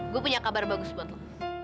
gue punya kabar bagus buat lo